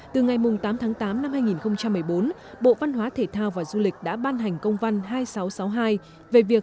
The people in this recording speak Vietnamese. từ ngày tám tháng tám năm hai nghìn một mươi bốn bộ văn hóa thể thao và du lịch đã ban hành công văn hai nghìn sáu trăm sáu mươi hai về việc